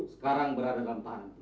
sekarang berada dalam tahanan polisi